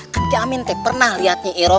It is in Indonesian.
kek yamin pernah lihatnya iroh